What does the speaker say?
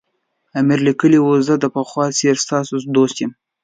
امیر لیکلي وو زه د پخوا په څېر ستاسو دوست یم.